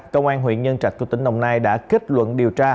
công an huyện nhân trạch của tỉnh đồng nai đã kết luận điều tra